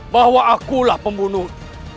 bahwa akulah pembunuh